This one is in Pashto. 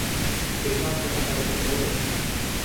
چرګان چټک حرکت کولی شي.